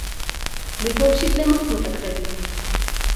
Дык ва ўсіх дамах мы так рабілі.